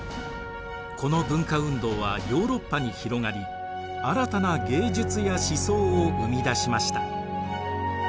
この文化運動はヨーロッパに広がり新たな芸術や思想を生み出しました。